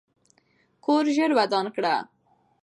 کور ژر ودان کړه.